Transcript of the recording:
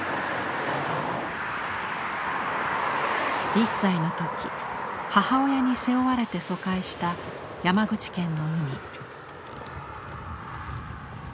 １歳の時母親に背負われて疎開した山口県の海。